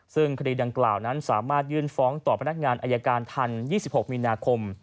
ซึ่งคดีดังกล่าวนั้นสามารถยื่นฟ้องต่อพนักงานอายการทัน๒๖มีนาคม